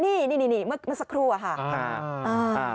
นี่นี่นี่นี่เมื่อสักครู่อ่ะค่ะอ่า